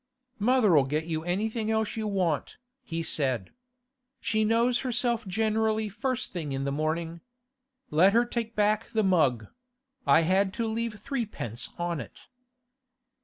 'Mother'll get you anything else you want,' he said. 'She knows herself generally first thing in the morning. Let her take back the mug; I had to leave threepence on it.